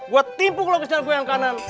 gue timpuk lo ke jarak gue yang kanan